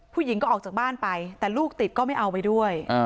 ผู้หญิงก็ออกจากบ้านไปแต่ลูกติดก็ไม่เอาไปด้วย